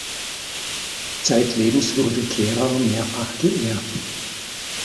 Zeitlebens wurde Kehrer mehrfach geehrt.